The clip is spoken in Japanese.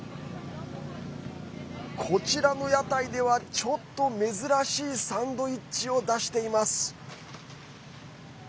こちらの屋台ではちょっと珍しいサンドイッチを出しています。